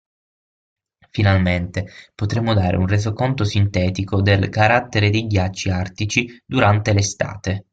Finalmente, potremo dare un resoconto sintetico del carattere dei ghiacci artici durante l'estate.